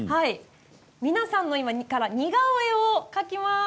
皆さんの似顔絵を描きます。